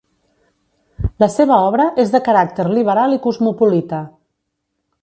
La seva obra és de caràcter liberal i cosmopolita.